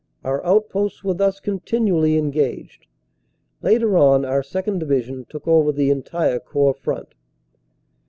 Our outposts were thus continually en gaged. Later on our 2nd. Division took over the entire Corps front.